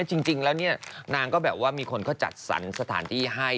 จริงแล้วเนี่ยนางก็แบบว่ามีคนเขาจัดสรรสถานที่ให้